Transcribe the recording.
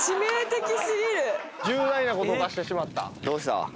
どうした？